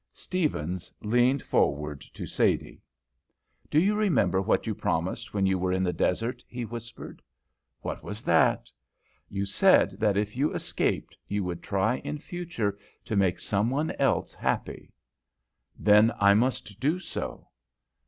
Stephens leaned forward to Sadie. "Do you remember what you promised when you were in the desert?" he whispered. "What was that?" "You said that if you escaped you would try in future to make some one else happy." "Then I must do so."